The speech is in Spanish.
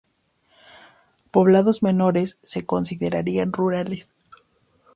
Poblados menores se considerarían rurales.